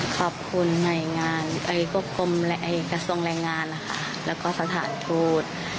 ขอบคุณกระทรวงแรงงานแล้วก็สถานทูต